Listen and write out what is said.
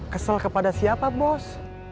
kesel kepada siapa bos